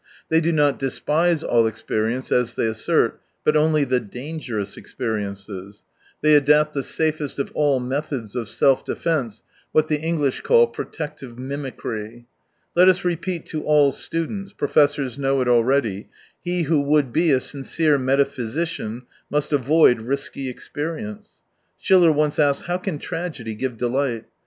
They do not despise all experience, as they assert, but only the dangerous experiences. They adapt the safest of all methods of self defence, what the English call protective mimicry. Let us repeat to all students — professors know it already : he who w ould be a sincere metaphysician must avoid risky experience. Schiller once asked : How can tragedy give delight